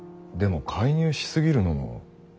でも介入しすぎるのも。